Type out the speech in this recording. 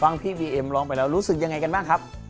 พี่บีเอ็มร้องไปแล้วรู้สึกยังไงกันบ้างครับ